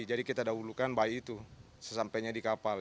jadi kita dahulukan bayi itu sesampainya di kapal